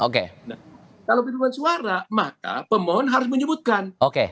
kalau perhitungan suara maka pemohon harus menyebutkan